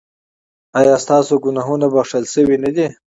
ایا ستاسو ګناهونه بښل شوي نه دي؟